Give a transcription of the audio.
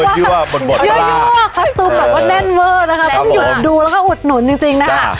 ตัวแบบว่าแน่นเมอร์นะครับต้องหยุดดูแล้วก็อุดหนุนจริงนะครับ